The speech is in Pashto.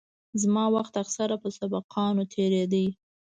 زما وخت اکثره په سبقانو تېرېده.